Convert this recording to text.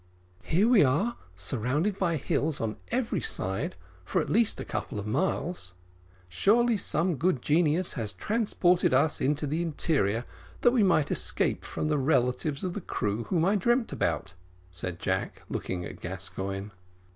"Here we are, surrounded by hills on every side, for at least a couple of miles. Surely some good genius has transported us into the interior, that we might escape from the relatives of the crew whom I dreamt about," said Jack, looking at Gascoigne.